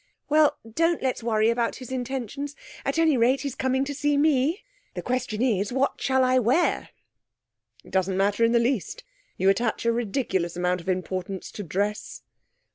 'Well, don't let's worry about his intentions. At any rate, he's coming to see me. The question is, what shall I wear?' 'It doesn't matter in the least. You attach a ridiculous amount of importance to dress.'